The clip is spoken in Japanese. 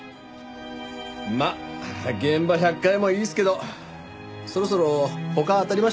まあ現場百回もいいですけどそろそろ他当たりましょうよ。